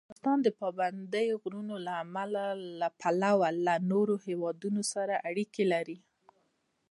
افغانستان د پابندی غرونه له پلوه له نورو هېوادونو سره اړیکې لري.